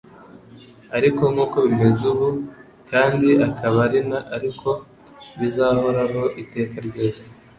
ariko nk'uko bimeze ubu, kandi akaba ariko bizahoraho iteka ryose,